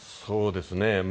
そうですね。